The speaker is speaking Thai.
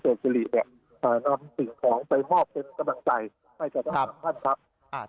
นำสิ่งของไปมอบเป็นกำลังใจให้กับท่านครับ